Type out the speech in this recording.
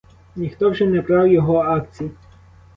Ніхто вже не брав його акцій.